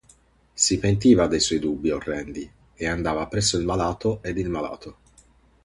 Si pentiva dei suoi dubbi orrendi; e andava presso il malato, ed il malato.